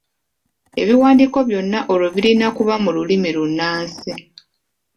Ebiwandiiko byonna olwo birina kuba mu lulimi lunnansi.